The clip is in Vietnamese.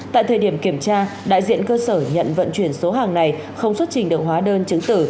tại thời điểm kiểm tra đại diện cơ sở nhận vận chuyển số hàng này không xuất trình được hóa đơn chứng tử